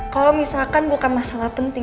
kalau misalkan bukan masalah penting